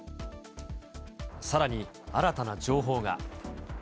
さらに、新たな情報が。